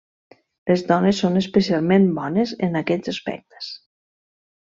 Les dones són especialment bones en aquests aspectes.